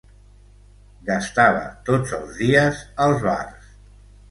Gastava tots els dies als bars.